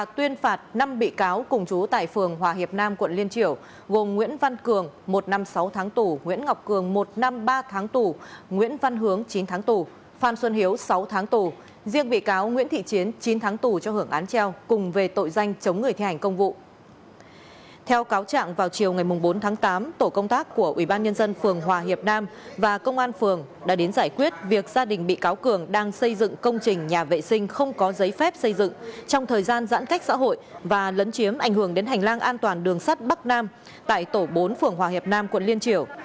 theo cáo trạng vào chiều ngày bốn tháng tám tổ công tác của ubnd phường hòa hiệp nam và công an phường đã đến giải quyết việc gia đình bị cáo cường đang xây dựng công trình nhà vệ sinh không có giấy phép xây dựng trong thời gian giãn cách xã hội và lấn chiếm ảnh hưởng đến hành lang an toàn đường sắt bắc nam tại tổ bốn phường hòa hiệp nam quận liên triều